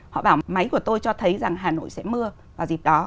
họ bảo máy của tôi cho thấy rằng hà nội sẽ mưa vào dịp đó